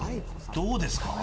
どうですか？